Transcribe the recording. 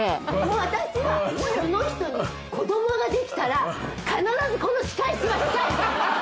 私はこの人に子供ができたら必ずこの仕返しがしたい。